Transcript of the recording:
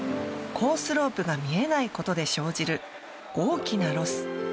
コースロープが見えないことで生じる大きなロス。